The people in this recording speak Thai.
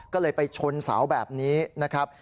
ก็เลยไปชนเสาแบบนี้นะครับ